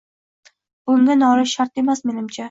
Bunga nolish shart emas, menimcha.